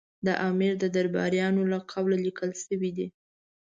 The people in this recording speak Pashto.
د امیر د درباریانو له قوله لیکل شوي دي.